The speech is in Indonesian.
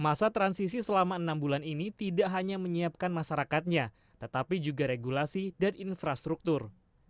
masa transisi selama enam bulan ini tidak hanya menyiapkan masyarakatnya tetapi juga regulasi dan infrastruktur